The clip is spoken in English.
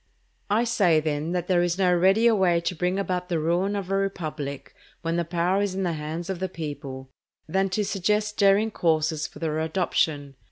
I say, then, that there is no readier way to bring about the ruin of a republic, when the power is in the hands of the people, than to suggest daring courses for their adoption.